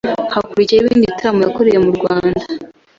hakurikiyeho ibindi bitaramo yakoreye mu Rwanda